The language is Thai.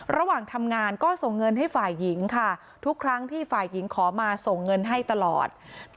ระหว่างทำงานก็ส่งเงินให้ฝ่ายหญิงค่ะทุกครั้งที่ฝ่ายหญิงขอมาส่งเงินให้ตลอด